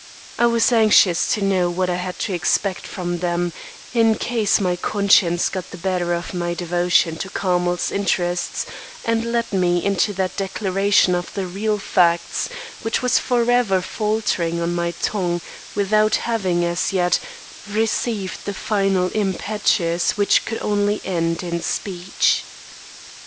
I was anxious to know what I had to expect from them, in case my conscience got the better of my devotion to Carmel's interests and led me into that declaration of the real facts which was forever faltering on my tongue, without having, as yet, received the final impetus which could only end in speech.